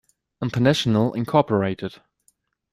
International Inc.